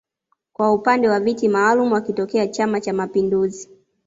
kwa upande wa viti maalum akitokea chama cha mapinduzi